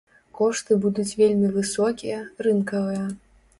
Кошты будуць вельмі высокія, рынкавыя.